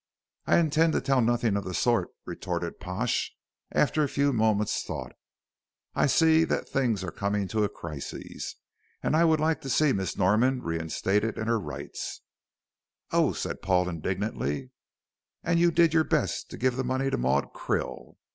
"I intend to tell nothing of the sort," retorted Pash, after a few moments' thought. "I see that things are coming to a crisis, and I would like to see Miss Norman reinstated in her rights." "Oh," said Paul, indignantly, "and you did your best to give the money to Maud Krill!"